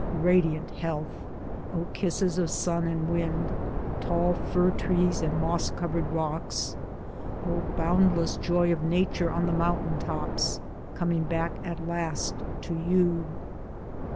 Radiant health! O kisses of sun and wind, tall fir trees and moss covered rocks ! O boundless joy of Nature on the mountain tops — coming back at last to you